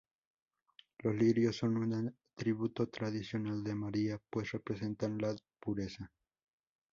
Los lirios son un atributo tradicional de María, pues representan la pureza.